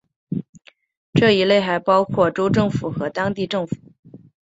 这一类还包括州政府和当地政府。